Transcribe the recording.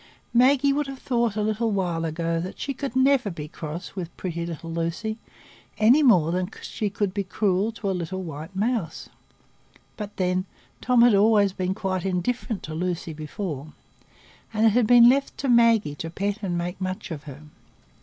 Maggie would have thought a little while ago that she could never be cross with pretty little Lucy, any more than she could be cruel to a little white mouse; but then, Tom had always been quite indifferent to Lucy before, and it had been left to Maggie to pet and make much of her.